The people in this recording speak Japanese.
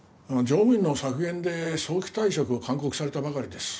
乗務員の削減で早期退職を勧告されたばかりです。